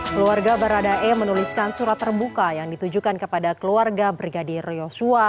keluarga baradae menuliskan surat terbuka yang ditujukan kepada keluarga brigadir yosua